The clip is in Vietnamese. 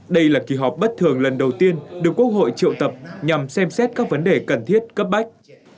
đây là kỳ họp bất thường lần đầu tiên được quốc hội triệu tập nhằm xem xét các vấn đề cần thiết cấp bách